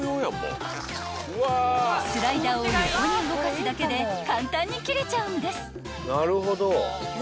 ［スライダーを横に動かすだけで簡単に切れちゃうんです］